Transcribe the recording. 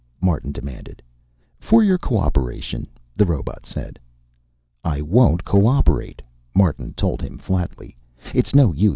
Martin demanded. "For your cooperation," the robot said. "I won't cooperate," Martin told him flatly. "It's no use.